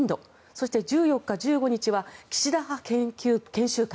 そして、１４日、１５日は岸田派研修会。